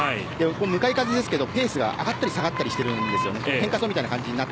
向かい風ですけどペースが上がったり下がったりしているんです。